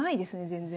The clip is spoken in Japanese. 全然。